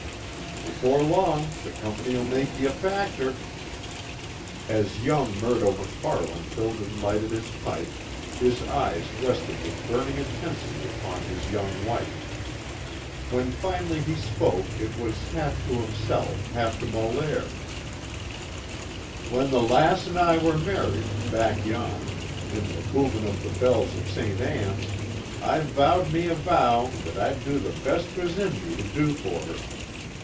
Before long the Company'll make ye a factor." As young Murdo MacFarlane filled and lighted his pipe, his eyes rested with burning intensity upon his young wife. When finally he spoke it was half to himself, half to Molaire: "When the lass an' I were married, back yon, to the boomin' of the bells of Ste. Anne's, I vowed me a vow that I'd do the best 'twas in me to do for her.